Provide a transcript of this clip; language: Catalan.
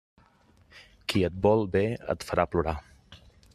Qui et vol bé et farà plorar.